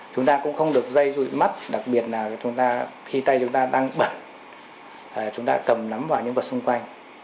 chúng ta cũng không được dây dụi mắt đặc biệt là khi tay chúng ta đang bật chúng ta cầm nắm vào những vật xung quanh